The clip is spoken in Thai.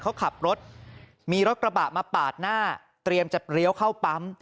เขาขับรถมีรถกระบะมาปาดหน้าเตรียมจะเลี้ยวเข้าปั๊ม